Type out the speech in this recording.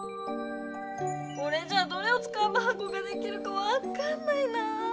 これじゃあどれをつかえばはこができるかわかんないなぁ。